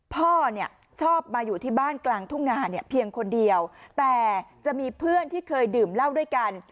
พ่อเนี่ยชอบมาอยู่ที่บ้านกลางทุ่งนาเนี่ยเพียงคนเดียวแต่จะมีเพื่อนที่เคยดื่มเหล้าด้วยกัน